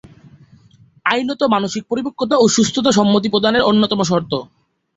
আইনত, মানসিক পরিপক্কতা ও সুস্থতা সম্মতি প্রদানের অন্যতম শর্ত।